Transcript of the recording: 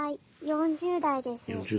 ４０代で。